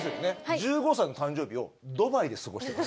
１５歳の誕生日をドバイで過ごしてます。